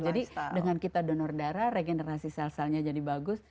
jadi dengan kita donor darah regenerasi sel selnya jadi bagus